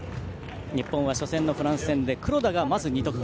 日本は初戦、フランス戦で黒田がまず２得点